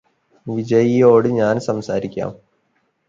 വിജയിയോട് ഞാന് സംസാരിക്കാം